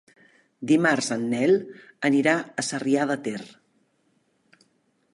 Dimarts en Nel anirà a Sarrià de Ter.